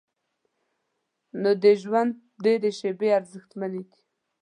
نو د ژوند ډېرې شیبې ارزښتمنې دي.